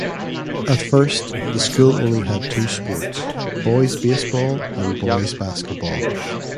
At first, the school only had two sports; boys' baseball and boys' basketball.